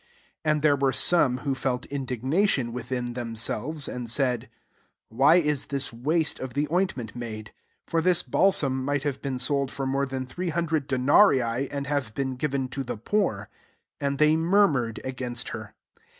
4 And there were some who felt indignation within> them ^ selves, and said, " Why is this wiaste of the ointment made ? 5 Eor this balsam? might have been sold fw mor« than three hundred denarii, and have been g^ven to the poor." And they murmured against her..